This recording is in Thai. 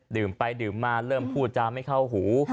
ดื่มไปดื่มมาเริ่มพูดจาไม่เข้าหู